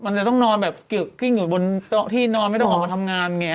มันจะต้องนอนแบบกึกกิ้งอยู่บนโต๊ะที่นอนไม่ต้องออกมาทำงานไง